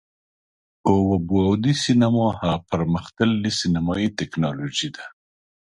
اووه بعدی سینما هغه پر مختللې سینمایي ټیکنالوژي ده،